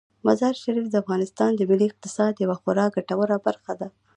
مزارشریف د افغانستان د ملي اقتصاد یوه خورا ګټوره برخه ده.